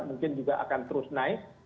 mungkin juga akan terus naik